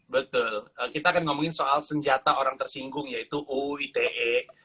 betul kita akan ngomongin soal senjata orang tersinggung yaitu uu ite